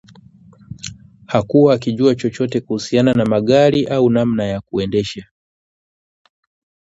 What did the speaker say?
Hakuwa akijua chochote kuhusiana na magari au namna ya kuendesha